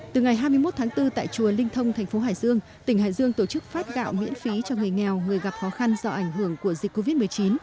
từ ngày hai mươi một tháng bốn tại chùa linh thông thành phố hải dương tỉnh hải dương tổ chức phát gạo miễn phí cho người nghèo người gặp khó khăn do ảnh hưởng của dịch covid một mươi chín